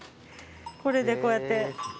これでこうやって。